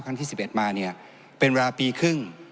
ครั้งที่สิบเอ็ดมาเนี่ยเป็นเวลาปีครึ่ง